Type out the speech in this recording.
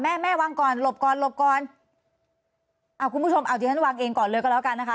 แม่แม่วางก่อนหลบก่อนหลบก่อนอ่าคุณผู้ชมเอาที่ฉันวางเองก่อนเลยก็แล้วกันนะคะ